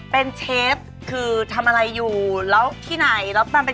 เป็นขนตามที่ดีครับ